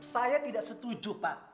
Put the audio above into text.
saya tidak setuju pak